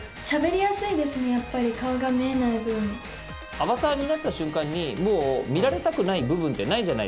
アバターになった瞬間にもう見られたくない部分ってないじゃないですか。